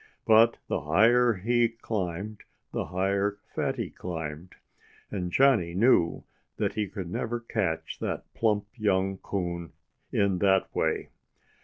But the higher he climbed, the higher Fatty climbed. And Johnnie knew that he could never catch that plump young coon in that way.